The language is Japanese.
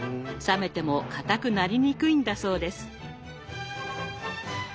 冷めてもかたくなりにくいんだそうです。